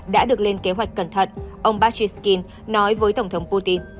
đã được lên kế hoạch cẩn thận ông pachyshkin nói với tổng thống putin